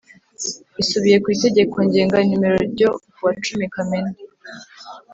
Isubiye ku Itegeko ngenga nimero ryo kuwa cumi kamena